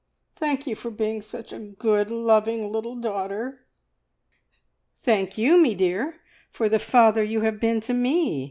Thank you for being such a good, loving little daughter!" "Thank you, me dear, for the father you have been to me!"